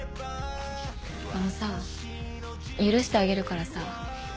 あのさ許してあげるからさ